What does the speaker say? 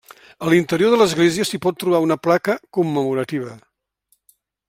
A l'interior de l'església s'hi pot trobar una placa commemorativa.